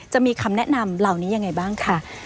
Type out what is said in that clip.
จะมีคำแนะนำเหล่านี้ยังไงบ้างค่ะ